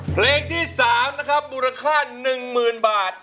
เพลงที่๓นะครับมูลค่า๑๐๐๐บาท